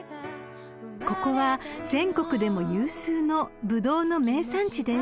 ［ここは全国でも有数のブドウの名産地です］